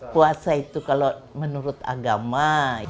puasa itu kalau menurut agama